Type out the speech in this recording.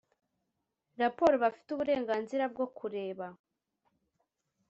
raporo Bafite uburenganzira bwo kureba